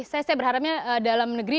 saya berharapnya dalam negeri